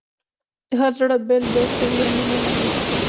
د هر زړه بېل بېل شریانونه لري.